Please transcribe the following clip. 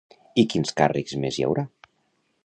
I quins càrrecs més hi haurà?